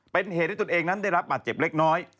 เป็นเหตุให้ตนเองนั้นได้รับบาดเจ็บเล็กน้อย